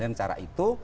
dan cara itu